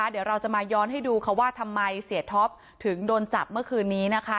เดี๋ยวเราจะมาย้อนให้ดูว่าทำไมเสียท็อปถึงโดนจับเมื่อคืนนี้นะคะ